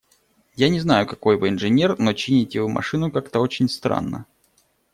Я не знаю, какой вы инженер, но… чините вы машину как-то очень странно.